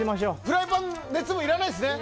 フライパン熱もういらないですね？